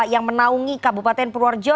yang menaungi kabupaten purworejo